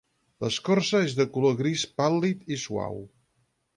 L'escorça és de color gris pàl·lid i suau.